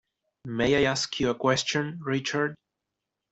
May I ask you a question, Richard?